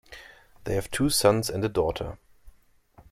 They have two sons and a daughter.